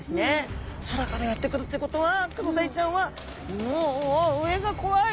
空からやって来るってことはクロダイちゃんはお上が怖い！